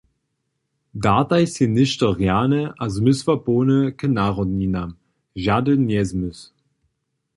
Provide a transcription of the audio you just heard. Dartaj sej něšto rjane a zmysłapołne k narodninam, žadyn njezmysł!